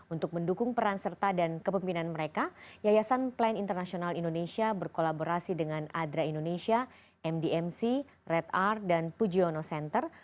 untuk mendukung peran serta dan kepemimpinan mereka yayasan plan internasional indonesia berkolaborasi dengan adra indonesia mdmc red art dan pujiono center